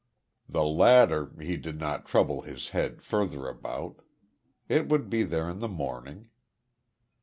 The ladder he did not trouble his head further about. It would be there in the morning.